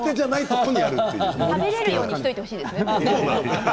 食べられるようにしておいてほしいですね。